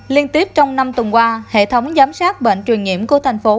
liên tiếp trong năm tuần qua hệ thống giám sát bệnh truyền nhiễm của thành phố